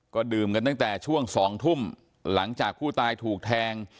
ก็ดื่มกันตั้งแต่ช่วง๒ทุ่มหลังจากผู้ตายถูกแทง